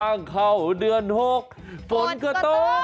อ้างเข้าเดือน๖ฝนก็ตก